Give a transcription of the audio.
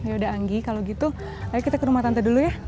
ya udah anggi kalau gitu ayo kita ke rumah tante dulu ya